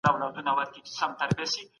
ما فقط غوښته، چي ښځي په يوه شي پوه کړم.